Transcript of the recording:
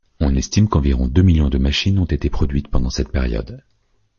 On estime qu'environ deux millions de machines ont été produites pendant cette période.